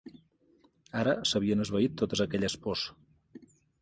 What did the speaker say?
Ara s'havien esvaït totes aquelles pors.